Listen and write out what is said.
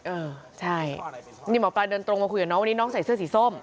เออใช่นี่หมอปลาเดินตรงมาคุยกับน้องวันนี้น้องใส่เสื้อสีส้ม